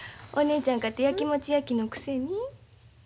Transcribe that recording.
お姉ちゃんかてやきもちやきのくせに。